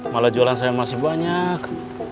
malah jualan saya masih banyak